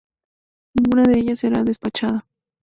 Ninguna de ellas será despachada.